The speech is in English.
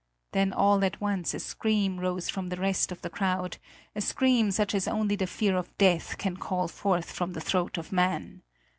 Then all at once a scream rose from the rest of the crowd a scream such as only the fear of death can call forth from the throat of man.